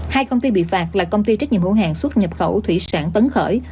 hai công ty bị phạt là công ty trách nhiệm hữu hàng xuất nhập khẩu thủy sản tấn khởi